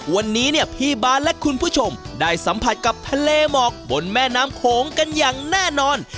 วันนี้เนี่ยพี่บาทและคุณผู้ชมได้สัมผัสกับทะเลหมอกบนแม่น้ำโขงกันอย่างแน่นอน